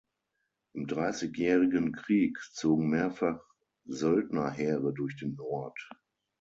Im Dreißigjährigen Krieg zogen mehrfach Söldnerheere durch den Ort.